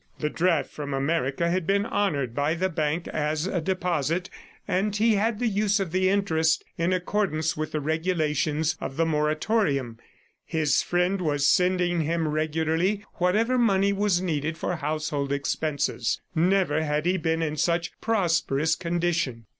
The draft from America had been honored by the bank as a deposit, and he had the use of the interest in accordance with the regulations of the moratorium. His friend was sending him regularly whatever money was needed for household expenses. Never had he been in such prosperous condition.